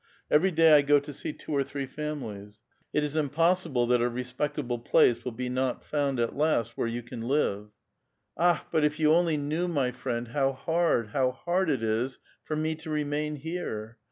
Every day T go to see two or three families. It is impossible that a respectable place will be not found at last where you can live." A VITAL QUESTION. . '99 ^^ Akhl but if you only knew, my friend, how hard, how hard, it is for me to remain here.